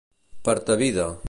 Per ta vida.